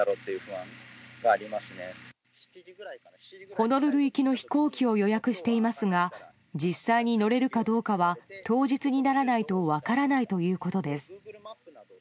ホノルル行きの飛行機を予約していますが実際に乗れるかどうかは当日にならないと分からないということです。